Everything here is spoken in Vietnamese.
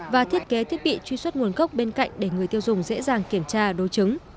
và thiết kế thiết bị truy xuất nguồn gốc bên cạnh để người tiêu dùng dễ dàng kiểm tra đối chứng